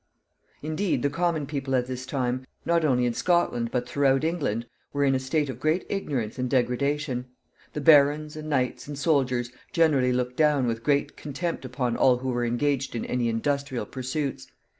Indeed, the common people at this time, not only in Scotland, but throughout England, were in a state of great ignorance and degradation. The barons, and knights, and soldiers generally looked down with great contempt upon all who were engaged in any industrial pursuits.